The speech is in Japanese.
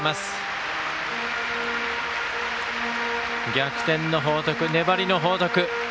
逆転の報徳、粘りの報徳。